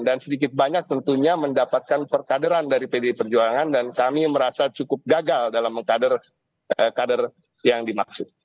dan sedikit banyak tentunya mendapatkan perkaderan dari pdi perjuangan dan kami merasa cukup gagal dalam kader yang dimaksud